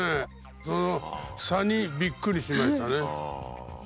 その差にびっくりしましたね。